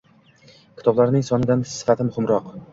Kitoblarning sonidan sifati muhimroq.